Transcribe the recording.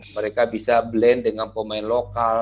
mereka bisa blend dengan pemain lokal